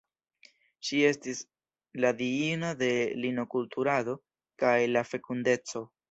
Ŝi estis la diino de lino-kulturado kaj fekundeco.